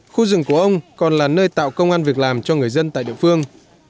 khu rừng của ông còn là nơi tạo công an việc làm cho người dân tại địa phương